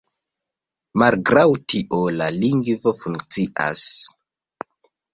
Malgraŭ tio, la lingvo funkcias.